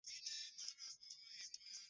utahiji Maji ya uvuguvugu ya kutosha